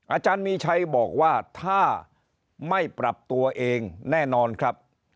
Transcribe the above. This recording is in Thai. อาจารย์มีชัยบอกว่าถ้าไม่ปรับตัวเองแน่นอนครับ